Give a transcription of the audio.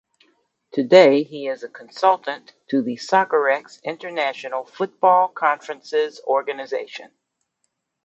Today he is a consultant to the Soccerex international football conferences organisation.